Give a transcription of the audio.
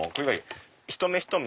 ひと目